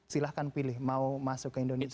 silahkan pilih mau masuk ke indonesia